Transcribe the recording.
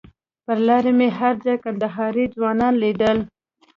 پر لاره مې هر ځای کندهاري ځوانان لیدل.